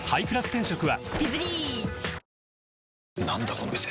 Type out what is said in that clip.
この店。